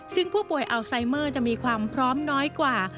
ซึ่งผู้ป่วยอัลไซเมอร์จะมีความพร้อมน้อยกว่า